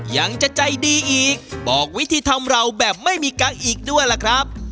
ยังจะใจดีอีกบอกวิธีทำเราแบบไม่มีกังอีกด้วยล่ะครับ